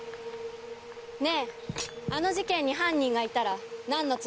ねえあの事件に犯人がいたらなんの罪で裁く？